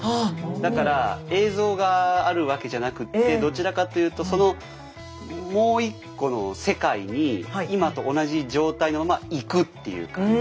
だから映像があるわけじゃなくってどちらかというとそのもう一個の世界に今と同じ状態のまま行くっていう感じ。